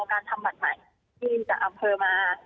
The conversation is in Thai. การทำบัตรใหม่จีนจากอำเภอมา